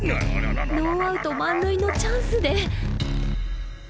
ノーアウト満塁のチャンスで。